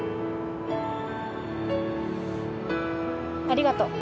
ありがとう。